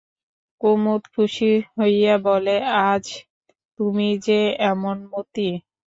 কুমুদ খুশি হইয়া বলে, আজ তুমি যে এমন মতি?